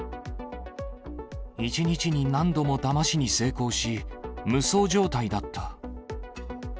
１日に何度もだましに成功し、無双状態だった。